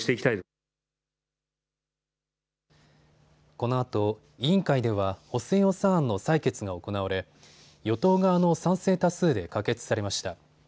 このあと委員会では補正予算案の採決が行われ与党側の賛成多数で可決されました。